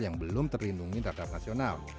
yang belum terlindungi terhadap nasional